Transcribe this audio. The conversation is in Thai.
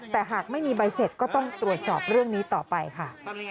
แต่หากไม่มีใบเสร็จก็ต้องตรวจสอบเรื่องนี้ต่อไปค่ะ